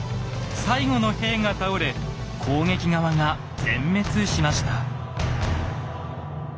最後の兵が倒れ攻撃側が全滅しました。